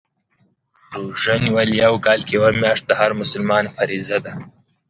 روژه نیول په کال کي یوه میاشت د هر مسلمان فریضه ده